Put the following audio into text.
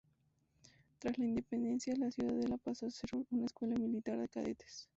Tras la independencia, la ciudadela pasó a ser una escuela militar de cadetes.